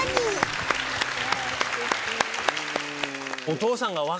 お父さんが。